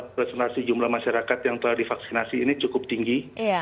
presentasi jumlah masyarakat yang telah divaksinasi ini cukup tinggi